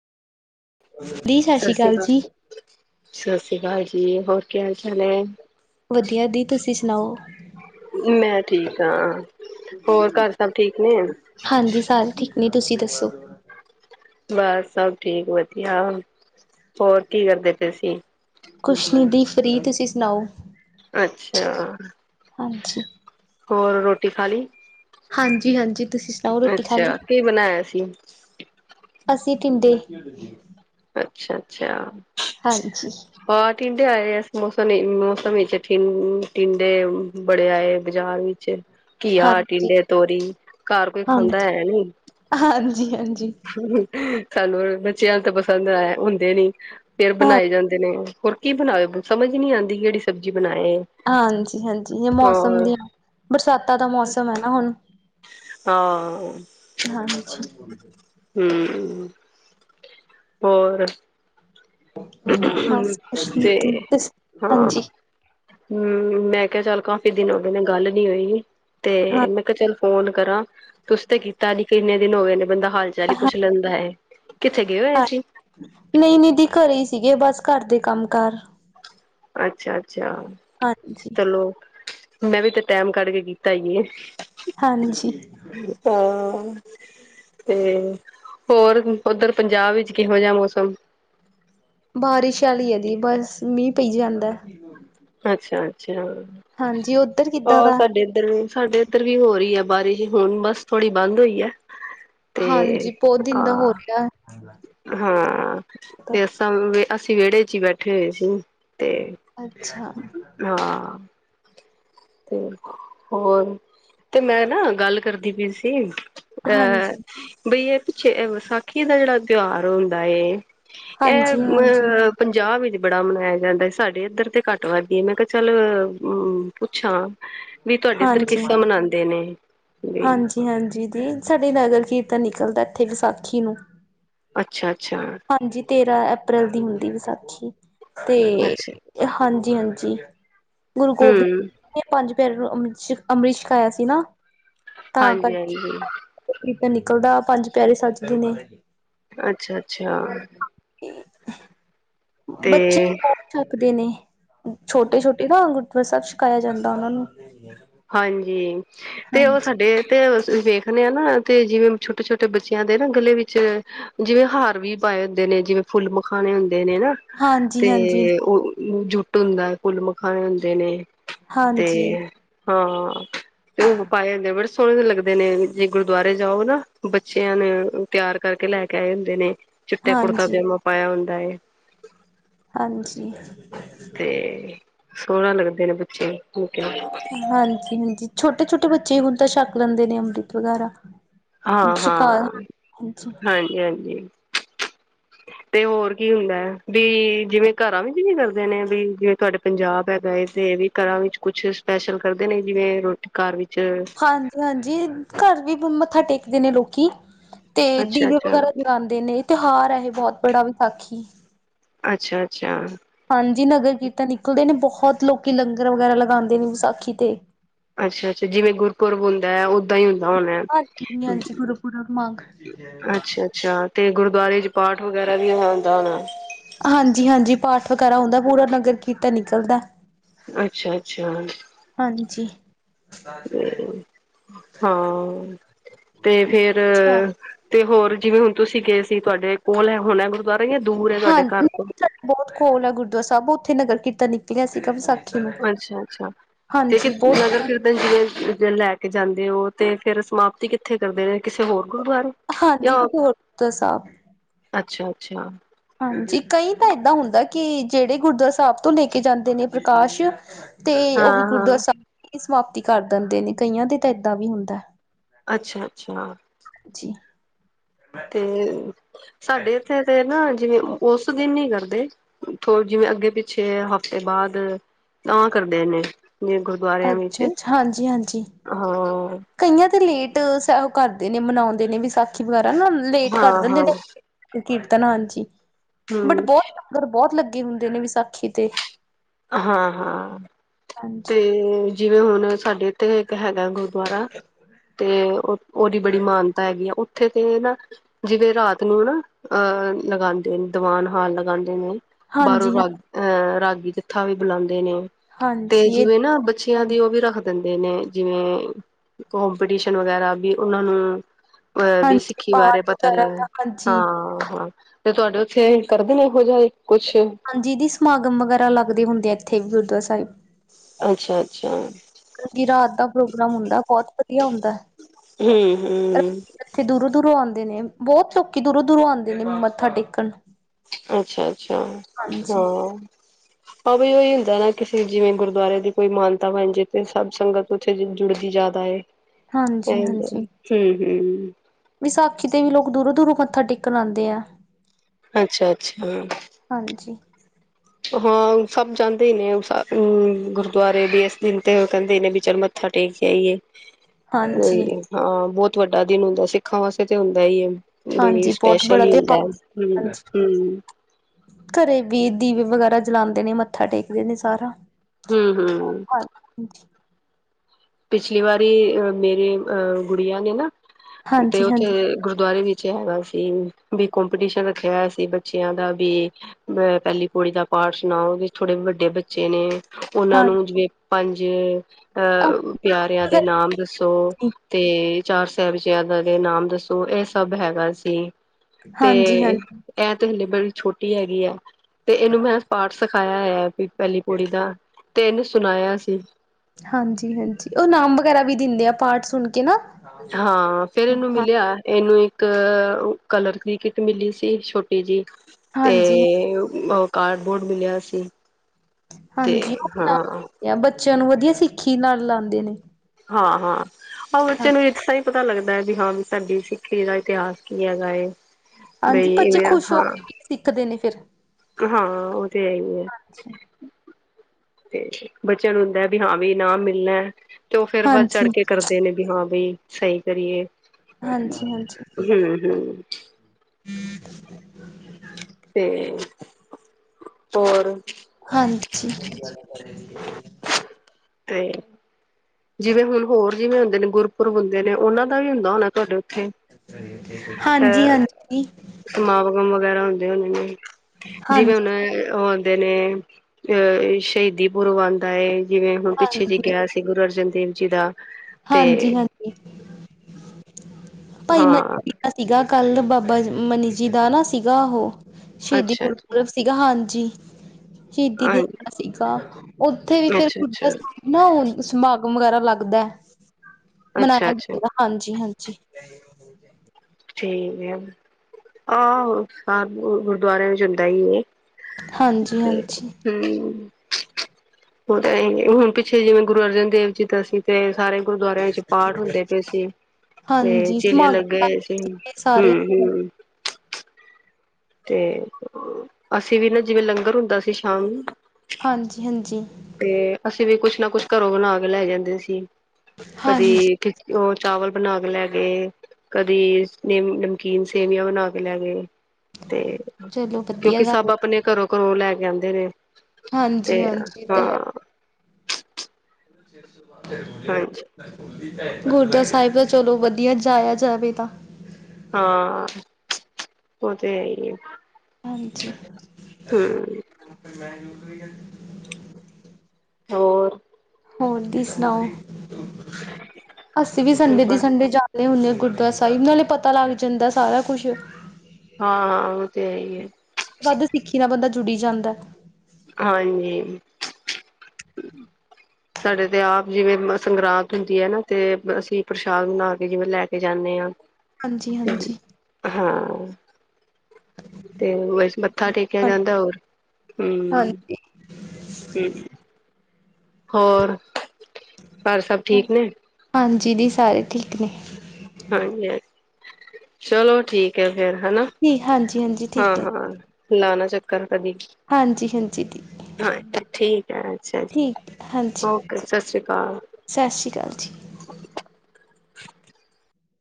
ਸਤਿ ਸ਼੍ਰੀ ਅਕਾਲ- ਸਤਿ ਸ੍ਰੀ ਅਕਾਲ ਜੀ ਹੋਰ ਕੀ ਹਾਲ ਚਾਲ ਹੈ? ਵਧੀਆ ਦੀ ਤੁਸੀਂ ਸੁਣਾਓ? ਮੈਂ ਠੀਕ ਹਾਂ। ਹੋਰ ਘਰ ਸਭ ਠੀਕ ਨੇ? ਨੀ, ਤੁਸੀ ਦੱਸੋ ਬੱਸ ਸਭ ਠੀਕ, ਵਦੀਆ ਹੋਰ ਕੀ ਕਰਦੇ ਪੇ ਸੀ। ਕੁਸ਼ ਨੀ ਦੀ ਫ੍ਰੀ ਤੁਸੀਂ ਸੁਣਾਓ। ਅੱਛਾ! ਹਾਂਜੀ! ਹੋਰ ਰੋਟੀ ਖਾ ਲਈ। ਹਾਂਜੀ- ਹਾਂਜੀ ਤੁਸੀਂ ਸੁਣਾਓ ਰੋਟੀ ਖਾ ਲਈ ਅੱਛਾ! ਕੀ ਬਣਾਇਆ ਸੀ? ਅਸੀਂ ਟਿੰਡੇ ਅੱਛਾ! ਅੱਛਾ ਹਾਂਜੀ। ਹਾਂ। ਟਿੰਡੇ ਆਏ ਇਸ ਮੌਸਮ- ਮੌਸਮ ਵਿਚ ਟਿੰਡੇ ਬੜੇ ਆਏ ਬਾਜ਼ਾਰ ਵਿੱਚ ਘੀਆ, ਹਾਂਜੀ ਟਿੰਡੇ, ਤੋਰੀ ਘਰ ਕੋਈ ਖਾਂਦਾ ਹੈ ਨੀ ਹਾਂਜੀ! ਹਾਂਜੀ ਸਾਨੂੰ ਬੱਚਿਆਂ ਤਾਂ ਪਸੰਦ ਆ ਹੁੰਦੇ ਨੀ ਫੇਰ ਹਾਂ ਬਣਾਏ ਜਾਂਦੇ ਨੇ। ਕੀ ਬਣਾਵੇ ਸਮਝ ਨੀ ਆਂਦੀ, ਕਿਹੜੀ ਸਬਜ਼ੀ ਬਣਾਏ। ਹਾਂਜੀ -ਹਾਂਜੀ ਇਹ ਮੌਸਮ ਹੋਰ ਦੀਆਂ ਬਰਸਾਤਾਂ ਦਾ ਮੌਸਮ ਹੈ ਨਾ ਹੁਣ ਹਾਂ ਹਾਂਜੀ-ਜੀ ਹਮਮ ਹੋਰ ਹ ਬਸ ਕੁਛ ਨੀ ਤੇ ਦੀ, ਹਾਂ ਹਾਂਜੀ ਹਮ ਮੈਂ ਕਿਹਾ ਚੱਲ ਕਾਫੀ ਦਿਨ ਹੋਗੇ ਗੱਲ ਨੀ ਹੋਈ ਹਾਂ ਤੇ ਚੱਲ ਫੋਨ ਕਰਾਂ। ਤੁਸੀ ਤੇ ਕੀਤਾ ਤਦ ਕਿੰਨੇ ਦਿਨ ਹੋ ਗਏ ਨੇ ਬੰਦਾ ਹਾਲ ਚਾਲ ਹੀ ਹਾਂ ਪੁੱਛ ਲੈਂਦਾ ਹੈ। ਕਿੱਥੇ ਗਏ ਹੋਏ ਹਾਂ ਸੀ? ਨਹੀਂ -ਨਹੀਂ ਘਰੇ ਹੀ ਸੀਗੇ। ਬੱਸ ਘਰ ਦੇ ਕੰਮ ਕਾਰ ਅੱਛਾ! ਅੱਛਾ ਹਾਂਜੀ ਚਲੋ। ਮੈਂ ਵੀ ਤੇ ਟੈਮ ਕੱਢ ਕੇ ਕੀਤਾ ਈ ਏ ਹਾਂਜੀ ਹਾਂ ਤੇ ਹੋਰ ਉੱਧਰ ਪੰਜਾਬ ਵਿੱਚ ਕਿਹੋ ਜਿਹਾ ਮੌਸਮ ਬਾਰੀਸ਼ ਵਾਲੀ ਦੀ ਬੱਸ ਮੀਂਹ ਪਈ ਜਾਂਦਾ ਹਾਂਜੀ ਉੱਧਰ ਕਿੱਦਾਂ ਉਹ ਦਾ ਸਾਡੇ ਏਧਰ ਵੀ ਅੱਛਾ, ਅੱਛਾ। ਸਾਡੇ ਇੱਧਰ ਵੀ ਹੋ ਰਹੀ ਹੈ ਬਾਰਿਸ਼ ਹੁਣ ਬਸ ਥੋੜੀ ਬੰਦ ਹੋਈ ਹੈ। ਤੇ ਹਾਂਜੀ ਬਹੁਤ ਦਿਨ ਦਾ ਹੋ ਆਹ ਰਿਹਾ ਹਾਂ ਤੇ ਅ ਅਸੀਂ ਵਿਹੜੇ ਚ ਹੀ ਬੈਠੇ ਹੋਏ ਸੀ ਤੇ ਅੱਛਾ। ਹਾਂ ਹੋਰ ਤੇ ਮੈਂ ਨਾ ਗੱਲ ਕਰਦੀ ਪਈ ਸੀ। ਅਹ ਹਾਂਜੀ ਬਈ ਇਹ ਪਿੱਛੇ ਵਿਸਾਖੀ ਦਾ ਜਿਹੜਾ ਤਿਉਹਾਰ ਹੁੰਦਾ ਏ ਇਹ ਹਾਂਜੀ ਹਾਂਜੀ ਅ ਪੰਜਾਬ ਵਿਚ ਬੜਾ ਮਨਾਇਆ ਜਾਂਦਾ ਸਾਡੇ ਇੱਧਰ ਤੇ ਘੱਟ ਵੱਧਦੀਏ ਮੈਂ ਕਿਹਾ ਚੱਲ ਹ ਛਾਂ ਵੀ ਤੁਹਾਡੇ ਇੱਧਰ ਹਾਂਜੀ ਕਿੱਸਾ ਮਨਾਉਂਦੇ ਨੇ ਵੀ ਹਾਂਜੀ ਹਾਂਜੀ ਦੀ ਸਾਡੇ ਨਗਰ ਕੀਰਤਨ ਨਿਕਲਦਾ ਇੱਥੇ ਵਿਸਾਖੀ ਨੂੰ ਅੱਛਾ, ਅੱਛਾ। ਹਾਂਜੀ ਤੇਹਰਾਂ ਅਪ੍ਰੈਲ ਦੀ ਹੁੰਦੀ ਵਿਸਾਖੀ ਤੇ ਅੱਛਾ ਹਾਂਜੀ, ਹਾਂਜੀ ਗੁਰੂ ਗੋਬਿੰਦ ਸਿੰਘ ਹੂੰ ਜੀ ਨੇ ਪੰਜ ਫਿਰ ਅੰਮ੍ਰਿਤ ਛਕਾਇਆ ਸੀ ਨਾ ਤਾਂ ਹਾਂਜੀ ਕਰਕੇ ਹਾਂਜੀ ਨਗਰ ਕੀਰਤਨ ਨਿਕਲਦਾ ਪੰਜ ਪਿਆਰੇ ਸੱਜਦੇ ਨੇ ਅੱਛਾ, ਅੱਛਾ। ਤੇ ਬੱਚੇ ਬਹੁਤ ਥੱਕਦੇ ਨੇ ਛੋਟੇ- ਛੋਟੇ ਕਿਹੜਾ ਅਮਿਤ ਛਕਾਇਆ ਜਾਂਦਾ ਉਹਨਾਂ ਨੂੰ ਹਾਂਜੀ! ਤੇ ਉਹ ਹਾਂਜੀ। ਸਾਡੇ ਤੇਸੀਂ ਵੇਖਣੇ ਹ ਨਾ ਤੇ ਜਿਵੇਂ ਛੋਟੇ -ਛੋਟੇ ਬੱਚਿਆਂ ਦੇ ਨਾ ਗਲੇ ਵਿੱਚ ਜਿਵੇਂ ਹਾਰ ਵੀ ਪਾਏ ਹੁੰਦੇ ਨੇ ਜਿਵੇਂ ਫੁੱਲ ਮਖਾਣੇ ਹੁੰਦੇ ਨੇ ਹੈ ਨਾ ਹਾਂਜੀ-ਹਾਂਜੀ, ਤੇ ਉਹ ਜੁੱਟ ਹੁੰਦਾ ਫੂਲ ਮਖਾਣੇ ਹੁੰਦੇ ਨੇ ਤੇ ਹਾਂਜੀ, ਹਾਂ ਤੇ ਉਹ ਪਾਏ ਹੁਦੇ ਬੜੇ ਸੋਹਣੇ ਲੱਗਦੇ ਨੇ ਜੇ ਗੁਰਦੁਆਰੇ ਜਾਓ ਨਾ ਬੱਚਿਆਂ ਨੇ ਤਿਆਰ ਕਰਕੇ ਲੈ ਕੇ ਆਏ ਹੁੰਦੇ ਨੇ ਚਿੱਟੇ ਕੁੜਤਾ ਹਾਂਜੀ। ਪਜਾਮਾ ਪਾਇਆ ਹੁੰਦਾ ਏ ਹਾਂਜੀ। ਤੇ ਸੋਹਣਾ ਲੱਗਦੇ ਨੇ ਬੱਚੇ ਹਾਂਜੀ- ਹਾਂਜੀ, ਛੋਟੇ- ਛੋਟੇ ਬੱਚੇ ਹੀ ਹੁਣ ਤਾਂ ਛੱਕ ਲੈਂਦੇ ਨੇ ਅੰਮ੍ਰਿਤ ਵਗੈਰਾ ਹਾਂ- ਛਕਾ ਹਾਂ, ਹਾਂਜੀ, ਹਾਂਜੀ-ਹਾਂਜੀ। ਤੇ ਹੋਰ ਕੀ ਹੁੰਦਾ ਹੈ। ਵੀ ਜਿਵੇਂ ਘਰਾਂ ਵਿਚ ਜਿਵੇਂ ਕਰਦੇ ਨੇ ਵੀ ਜਿਵੇਂ ਤੁਹਾਡੇ ਪੰਜਾਬ ਹੈਗਾ। ਇਹਥੇ ਵੀ ਘਰਾਂ ਵਿੱਚ ਕੁਛ ਸਪੈਸ਼ਲ ਕਰਦੇ ਨੇ ਜਿਵੇਂ ਰੋਟੀ ਘਰ ਵਿੱਚ ਹਾਂਜੀ- ਹਾਂਜੀ ਘਰ ਵੀ ਮੱਥਾ ਟੇਕਦੇ ਨੇ ਲੋਕੀ। ਤੇ ਅੱਛਾ ਦੀਵੇ ਅੱਛਾ ਵਗੈਰਾ ਜਾਂਦੇ ਨੇ ਤਿਉਹਾਰ ਇਹ ਬਹੁਤ ਬੜਾ ਵਿਸਾਖੀ। ਅੱਛਾ- ਅੱਛਾ। ਹਾਂਜੀ। ਨਗਰ ਕੀਰਤਨ ਨਿਕਲਦੇ ਨੇ ਬਹੁਤ ਲੋਕੀ ਲੰਗਰ ਵਗੈਰਾ ਲਗਾਉਂਦੇ ਨੇ ਵਿਸਾਖੀ ਤੇ। ਅੱਛਾ- ਅੱਛਾ ਜਿਵੇਂ ਗੁਰਪੁਰਬ ਹੁੰਦਾ ਹੈ। ਓਦਾਂ ਹੀ ਹੁੰਦਾ ਹੋਣਾ। ਠ ਅੱਛਾ [unintelligible] ਅੱਛਾ ਤੇ ਗੁਰਦੁਆਰੇ ਚ' ਪਾਠ ਵਗੈਰਾ ਵੀ ਹੁੰਦਾ ਹੋਣਾ। ਹਾਂਜੀ- ਹਾਂਜੀ। ਪਾਠ ਵਗੈਰਾ ਹੁੰਦਾ ਪੂਰਾ ਨਗਰ ਕੀਰਤਨ ਨਿਕਲਦਾ। ਅੱਛਾ- ਅੱਛਾ। ਹਾਂਜੀ। ਹਾਂ। ਤੇ ਫੇਰ ਅੱਛਾ। ਤੇ ਹੋਰ ਜਿਵੇਂ ਹੁਣ ਤੁਸੀਂ ਗਏ ਸੀ। ਤੁਹਾਡੇ ਕੋਲ ਹੈ ਹੁਣਾ ਗੁਰਦੁਆਰਾ ਜਾਂ ਦੂਰ ਹੈ ਹਾਂ ਤੁਹਾਡੇ ਘਰ ਤੋ ਸਾਡੇ ਬਹੁਤ ਕੋਲ ਆ ਗੁਰਦੁਆਰਾ ਸਾਹਿਬ ਉੱਥੇ ਨਗਰਕੀਰਤਨ ਨਿਕਲਿਆ ਸੀਗਾ। ਨੂੰ। ਅੱਛਾ- ਅੱਛਾ ਤੇ ਹਾਂਜੀ ਬਹੁਤ ਨਗਰ ਕੀਰਤਨ ਸੋਹਣਾ ਜ ਲੈ। ਤੇ ਜਾਂਦੇ ਉਹ ਤੇ ਫੇਰ ਸਮਾਪਤੀ ਕਿੱਥੇ ਕਰਦੇ ਨੇ ਕਿਸੇ ਹੋਰ ਗੁਰਦੁਆਰੇ ਹਾਂਜੀ। ਜਾਂ ਕਿਥੇ ਹੋਰ ਸਾਬ ਅੱਛਾ- ਅੱਛਾ। ਹਾਂਜੀ। ਕਈ ਤਾਂ ਇਦੇਦਾਂ ਹੁੰਦਾ ਕਿ ਜਿਹੜੇ ਗੁਰਦੁਆਰਾ ਸਾਹਿਬ ਤੋਂ ਲੈ ਕੇ ਜਾਂਦੇ ਨੇ ਪ੍ਰਕਾਸ਼ ਤੇ ਉਹੀ ਹਾਂ ਹਾਂ ਗੁਰਦੁਆਰਾ ਸਾਹਿਬ ਸਮਾਪਤੀ ਕਰ ਦਿੰਦੇ ਨੇ ਕਈਆਂ ਦੇ ਤਾਂ ਇਏਦਾਂ ਵੀ ਹੁੰਦਾ। ਅੱਛਾ-ਅੱਛਾ। ਜੀ। ਤੇ ਸਾਡੇ ਇੱਥੇ ਤੇ ਨਾ ਜਿਵੇਂ ਉਸ ਦਿਨ ਹੀ ਕਰਦੇ। ਜਿਵੇਂ ਅੱਗੇ- ਪਿੱਛੇ ਹਫ਼ਤੇ ਬਾਅਦ, ਤਾਂ ਕਰਦੇ ਨੇ। ਜ ਗੁਆਰਿਆਂ ਚ' ਅੱਛਾ-ਅੱਛਾ ਹਾਂਜੀ-ਹਾਂਜੀ। ਹਾਂ। ਕਈਆਂ ਤੇ ਲੇਟ ਸ ਉਹ ਕਰਦੇ ਨੇ ਮਨਾਉਂਦੇ ਨੇ ਵਿਸਾਖੀ ਵਗੈਰਾ। ਨਾ ਲੇਟ ਹਾਂ ਕਰ ਦਿੰਦੇ ਹਾਂ ਨੇ ਤੇ ਕੀਰਤਨ ਹਾਂਜੀ। ਬਟ ਹਮ ਬਹੁਤ ਲੰਗਰ ਬਹੁਤ ਲੱਗੇ ਹੁੰਦੇ ਨੇ ਵਿਸਾਖੀ ਤੇ। ਹਾਂ-ਹਾਂ। ਹਾਂਜੀ ਤੇ ਜਿਵੇਂ ਹੁਣ ਸਾਡੇ ਇੱਥੇ ਇੱਕ ਹੈਗਾ। ਗੁਰ ਦੁਾਰਰਾ। ਤੇ ਉਹਦੀ ਬੜੀ ਮਾਨਤਾ ਹੈਗੀ। ਆ ਉੱਥੇ ਤੇ ਨਾ ਜਿਵੇਂ ਰਾਤ ਨੂੰ ਨਾ ਅਹ ਲਗਾਉਂਦੇ ਦਵਾਨ ਹਾਲ ਲਗਾਉਂਦੇ ਨੇ। ਬਾਹਰੋਂ ਹਾਂਜੀ ਹਾਂ ਰਾਗੀ ਅਹ ਰਾਗੀ ਜਥਾ ਵੀ ਬੁਲਾਉਂਦੇ ਨੇ ਓਹ। ਤੇ ਹਾਂਜੀ ਇਹ ਜਿਵੇਂ ਨਾ ਬੱਚਿਆਂ ਦੀ ਉਹ ਵੀ ਰੱਖਦੇ ਦਿੰਦੇ ਨੇ ਜਿਵੇਂ ਕਪੀਟੀਸ਼ਨ ਵਗੈਰਾ ਵੀ ਉਹਨਾਂ ਨੂੰ ਅ ਵੀ ਹਾਂਜੀ ਸਿੱਖੀ ਬਾਰੇ ਪਾਠ ਪਤਾ ਵਗੈਰਾ ਲੱਗ। ਦਾ ਹਾਂਜੀ ਹਾਂ-ਹਾਂ। ਤੇ ਤੁਹਾਡੇ ਉੱਥੇ ਕਰਦੇ ਨੇ ਇਹੋ ਜਿਹੇ ਕੁਛ? ਹਾਂਜੀ। ਦੀ ਸਮਾਗਮ ਵਗੈਰਾ ਲੱਗਦੇ ਹੁੰਦੇ ਆ। ਇੱਥੇ ਵੀ ਗੁਰਦੁਆਰਾ ਸਾਹਿਬ। ਅੱਛਾ- ਅੱਛਾ। ਕਿਉਂਕਿ ਰਾਤ ਦਾ ਪ੍ਰੋਗਰਾਮ ਹੁੰਦਾ ਬਹੁਤ ਵਧੀਆ ਹੁੰਦਾ। ਹੁੰ, ਹੁੰ ਇਥੇ ਦੂਰੋਂ- ਦੂਰੋਂ ਆਉਂਦੇ ਨੇ ਬਹੁਤ ਲੋਕੀ ਦੂਰੋਂ- ਦੂਰੋਂ ਆਉਂਦੇ ਨੇ ਮੱਥਾ ਟੇਕਣ। ਅੱਛਾ-ਅੱਛਾ। ਹਾਂਜੀ ਹਾਂ। ਹਾਂਵੇ ਉਹੀ ਹੁੰਦਾ ਨਾ ਕਿਸੇ ਜਿਵੇਂ ਗੁਰਦੁਆਰੇ ਦੀ ਕੋਈ ਮਾਨਤਾ ਬਣ ਜਥ ਸਭ ਸੰਗਤ ਉਥੇ ਜੁੜਦੀ ਜ਼ਿਆਦਾ ਇਹ। ਹਾਂਜੀ ਹਮ ਹਾਂਜੀ ਹ ਵਿਸਾਖੀ ਤੇ ਵੀ ਲੋਕ ਦੂਰੋਂ-ਦੂਰੋਂ ਮੱਥਾ ਟੇਕਣ ਆਉਂਦੇ ਆ। ਅੱਛਾ-ਅੱਛਾ। ਹਾਂਜੀ। ਹਾਂ। ਸਭ ਜਾਂਦੇ ਹੀ ਨੇ। ਗੁਰਦੁਆਰੇ ਵੀ ਇਸ ਦਿਨ ਤੇ ਕਹਿੰਦੇ ਨੇ। ਬ ਚਰਮ ਮੱਥਾ ਟੇਕ ਆਈਏ। ਹਾਂਜੀ, ਉਹੀ ਹਾਂ ਬਹੁਤ ਵੱਡਾ ਦਿਨ ਹੁੰਦਾ ਸਿੱਖਾਂ ਵਾਸਤੇ ਤੇ ਹੁੰਦਾ ਹੀ ਹੈ। ਵੀ ਹਾਂਜੀ ਬਹੁਤ ਸਪੈਸ਼ਲ ਬੜਾ ਈ ਹੁੰਦਾ ਤਿਉਹਾਰ ਹਾਂਜੀ, ਹੂ-ਹੂੰ ਘਰੇ ਵੀ ਦੀਵੇ ਵਗੈਰਾ ਜਲਾਉਂਦੇ ਨੇ ਮੱਥਾ ਟੇਕਦੇ ਨੇ ਸਾਰਾ ਹੂੰ-ਹੂੰ [inaudible] ਪਿਛਲੀ ਵਾਰੀ ਮੇਰੇ ਅ ਗੁੜੀਆਂ ਨੇ ਨਾ ਤੇ ਹਾਂਜੀ, ਉੱਥੇ ਹਾਂਜੀ, ਗੁਰਦੁਆਰੇ ਵਿੱਚ ਬ ਸੀ ਵੀ ਕਪਟੀਸ਼ਨ ਰੱਖਿਆ ਹੋਇਆ ਸੀ ਬੱਚਿਆਂ ਦਾ ਵੀ ਅ ਪਹਿਲੀ ਪੌੜੀ ਦਾ ਪਾਠ ਸੁਣਾਓ ਥੋੜੇ ਵੱਡੇ ਬੱਚੇ ਨੇ ਉਹਨਾਂ ਹਾਂ ਨੂੰ ਜਿਵੇਂ ਪੰਜ [inaudible] ਪਿਆਰਿਆ ਦੇ ਨਾਮ ਦੱਸੋ। ਤੇ ਚਾਰ ਸਾਹਿਬਜ਼ਾਦਾ ਦੇ ਨਾਮ ਦੱਸੋ ਇਹ ਸਭ ਹੈਗਾ ਸੀ। ਤੇ ਹਾਂਜੀ, ਇਹ ਤੇ ਹਲੇ ਬੜੀ ਛੋਟੀ ਹੈਗੀ ਹੈਤੇ ਇਹਨੂੰ ਮੈਂ ਪਾਠ ਸਕ ਖਾਇਆ ਹੋਇਆ ਪਹਿਲੀ ਪੌੜੀ ਦਾ ਤੇ ਇਹਨੇ ਸੁਣਾਇਆ ਸੀ ਹਾਂਜੀ-ਹਾਂਜੀ ਉਹ ਇਨਾਮ ਵਗੈਰਾ ਵੀ ਦਿੰਦੇ ਆ ਪਾਠ ਸੁਣ ਕੇ ਨਾ। ਹਾਂ ਫਿਰ ਇਹਨੂੰ ਹਾਂ ਮਿਲਿਆ ਇਹਨੂੰ ਇੱਕ ਕਲਰ ਦੀ ਕਿੱਟ ਮਿਲੀ ਸੀ ਛੋਟੀ ਜਿਹੀ ਤੇ ਹਾਂਜੀ, ਓ ਕਾਰਡਬੋਰਡ ਮਿਲਿਆ ਸੀ। ਤੇ ਹਾਂਜੀ ਹਾਂ ਉਹ ਬੱਚਿਆਂ ਨੂੰ ਵਧੀਆ ਸਿੱਖੀ ਨਾਲ ਲਾਂਦੇ ਨੇ। ਹਾਂ-ਹਾਂ ਉਹ ਬੱਚਿਆਂ ਨੂੰ ਹਾਂਜੀ, ਏਕ ਸਾਈ ਪਤਾ ਲੱਗਦਾ ਹੈ ਵੀ ਹਾਂ ਵੀ ਸਾਡੀੇ ਸਿੱਖੀ ਦਾ ਇਤਿਹਾਸ ਕੀ ਹੈਗਾ ਹੈ। ਹਾਂਜੀ ਬੱਚੇ ਖੁਸ਼ ਹੋ ਕੇ ਸਿੱਖਦੇ ਨੇ ਫਿਰ ਹਾਂ ਓ ਤੇ ਹੈ ਹੀ ਐ। ਹਾਂਜੀ, ਤੇ ਬੱਚਿਆਂ ਨੂੰ ਹੁੰਦਾ ਵੀ ਹਾਂ ਵੀ ਇਨਾਮ ਮਿਲਣੇ। ਤੇ ਓ ਫੇਰ ਵਧ ਚੜ੍ਹ ਹਾਂਜੀ, ਕੇ ਕਰਦੇ ਨੇ ਵੀ ਹਾਂ ਬਈ ਸਈ ਕਰੀਏ। ਹਾਂਜੀ, ਹਾਂਜੀ, ਹੂੰ-ਹੂੰ ਤੇ ਹੋਰ ਹਾਂਜੀ [inaudible] ਤੇ ਜਿਵੇਂ ਹੁਣ ਹੋਰ ਜਿਵੇਂ ਹੁੰਦੇ ਨੇ ਗੁਰਪੁਰਬ ਹੁੰਦੇ ਨੇ ਓਨਾਂ ਦਾ ਵੀ ਹੁੰਦਾ ਹੋਣਾ ਤੁਹਾਡੇ ਉੱਥੇ ਅਹ ਹਾਂਜੀ-ਹਾਂਜੀ ਸਮਾਗਮ ਵਗੈਰਾ ਹੁੰਦੇ ਹੋਣੇ ਨੇ ਜਿਵੇਂ ਹੁਨ ਹਾਂਜੀ ਓ ਵੇਲੇ ਅਹ ਸ਼ਹੀਦੀ ਪੁਰਬ ਆਂਦਾ ਏ ਜਿਵੇਂ ਹੁਣ ਪਿੱਛੇ ਜੀ ਹਾਂਜੀ ਗਿਆ ਸੀ ਗੁਰੂ ਅਰਜ ਜਨ ਦੇਵ ਜੀ ਦਾ। ਤੇ ਹਾਂਜੀ-ਹਾਂਜੀ ਭਾਈ ਹਾਂ ਮਤੀ ਸੀਗਾ ਕੱਲ ਬਾਬਾ ਮਨੀ ਜੀ ਦਾ ਨਾ ਸੀਗਾ ਉਹ ਸ਼ਹੀਦੀ ਅੱਛਾ ਅੱਛਾ ਪੁਰਬ ਸੀਗਾ ਹਾਂਜੀ ਸ਼ੀਦੀ ਹਾਂਜੀ ਦਿਹਾੜਾ ਸੀਗਾ ਓਥੇ ਵੀ ਫਿਰ ਅੱਛਾ ਅੱਛਾ ਬਸ ਨਾ ਹੁਣ ਸਮਾਗਮ ਵਗੈਰਾ ਲੱਗਦਾ ਅੱਛਾ ਮਨਾਇਆ ਅੱਛਾ ਜਾਂਦਾ ਹਾਂਜੀ-ਹਾਂਜੀ। ਠੀਕ ਏ ਆਹ ਸ ਗੁਰਦੁਆਰਿਆਂ ਵਿੱਚ ਹੁੰਦਾ ਈ ਏ। ਹਾਂਜੀ-ਹਾਂਜੀ ਹੂੰ [inaudible] ਹੁਣ ਇਹ ਈ ਏ ਹੁਣ ਪਿੱਛੇ ਜਿਵੇਂ ਗੁਰੂ ਅਰਜਨ ਦੇਵ ਜੀ ਦਾ ਸੀ। ਤੇ ਸਾਰੇ ਗੁਰਦੁਆਰਿਆਂ ਵਿੱਚ ਪਾਠ ਹੁੰਦੇ ਪਏ ਸੀ ਤੇ ਹਾਂਜੀ ਚੀਲਿਆਂ ਲੱਗੇ। ਸਮਾਗਮ ਸੀਗੇ ਸਾਰੇ ਹੂੰ-ਹੂੰ ਤੇ ਅਸੀਂ ਵੀ ਨਾ ਜਿਵੇਂ ਲੰਗਰ ਹੁੰਦਾ ਸੀ ਸ਼ਾਮ ਨੂੰ ਹਾਂਜੀ-ਹਾਂਜੀ ਤੇ ਅਸੀਂ ਵੀ ਕੁੱਛ ਨਾ ਕੁੱਛ ਘਰੋਂ ਬਣਾ ਕੇ ਲੈ ਜਾਂਦੇ ਸੀ ਹਾਂਜੀ ਕਦੀ ਓ ਚਾਵਲ ਬਣਾ ਕੇ ਲੈਗੇ। ਕਦੀ ਨਿ ਨਮਕੀਨ ਸੇਵੀਆਂ ਬਣਾ ਕੇ ਲੈਗੇ। ਤੇ ਚਲੋ ਕਿਉਂਕਿ ਵਧੀਆ ਗੱਲ ਸਭ ਆਪਣੇ ਘਰੋਂ-ਘਰੋਂ ਲੈ ਕੇ ਆਂਦੇ ਰਹੇ। ਹਾਂਜੀ-ਹਾਂਜੀ ਏ ਤੇ ਹੈ। [unintelligible] ਹਾਂਜੀ ਗੁਰਦੁਆਰਾ ਸਾਇਬ ਦਾ ਚਲੋ ਵਧੀਆ ਜਾਇਆ ਜਾਵੇ ਤਾਂ। ਹਾਂ ਓ ਤੇ ਹੈ ਈ ਐ। ਹਾਂਜੀ। ਹੋਰ? ਹੋਰ ਤੀ ਸੁਣਾਓ ਅਸੀਂ ਵੀ ਸੰਡੇ ਦੀ ਸੰਡੇ ਜਾ ਨੇ ਹੁੰਨੇ ਆ ਗੁਰਦੁਆਰਾ ਸਾਇਬ ਨਾਲੇ ਪਤਾ ਲੱਗ ਜਾਂਦਾ ਸਾਰਾ ਕੁੱਛ। ਹਾਂ-ਹਾਂ ਓ ਤੇ ਹੈ ਈ ਏ। ਵੱਧ ਸਿੱਖੀ ਨਾਲ ਬੰਦਾ ਜੁੜੀ ਜਾਂਦੈ। ਹਾਂਜੀ ਸਾਡੇ ਤੇ ਆਪ ਜਿਵੇਂ ਸੰਗਰਾਂਦ ਹੁੰਦੀ ਐ ਨਾ ਤੇ ਅਸੀਂ ਪ੍ਰਸ਼ਾਦ ਬਨਾ ਕੇ ਜਿਵੇਂ ਲੈ ਕੇ ਜਾਂਨੇ ਆ। ਹਾਂਜੀ-ਹਾਂਜੀ ਹਾਂ। ਤੇ ਬਸ ਮੱਥਾ ਟੇਕਿਆ ਹਾਂਜੀ ਜਾਂਦਾ ਹੋਰ ਹੂੰ। ਹਾਂਜੀ ਹੂੰ ਹੋਰ ਪਰ ਸਭ ਠੀਕ ਨੇ? ਹਾਂਜੀ ਦੀ ਸਾਰੇ ਠੀਕ ਨੇ। ਹਾਂਜੀ ਚਲੋ ਠੀਕ ਐ ਫੇਰ ਹਨਾ ਜੀ ਹਾਂਜੀ ਹਾਂਜੀ ਠੀਕ ਹਾਂ-ਹਾਂ ਲਾਨਾ ਚੱਕਰ ਕਦੀ। ਹਾਂਜੀ-ਹਾਂਜੀ ਦੀ। ਹਾਂਜੀ ਠੀਕ ਐ ਅੱਛਾ ਜ ਠੀਕ ਓਕੇ ਸਤਿ ਸ੍ਰੀ ਕਾਲ। ਸਸੀ ਕਾਲ ਜੀ।